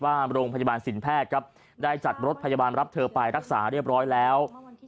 โรงพยาบาลสินแพทย์ครับได้จัดรถพยาบาลรับเธอไปรักษาเรียบร้อยแล้ว